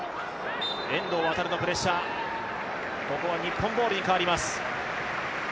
遠藤航のプレッシャー、ここは日本ボールに変わります。